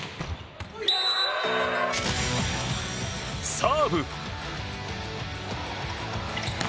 サーブ。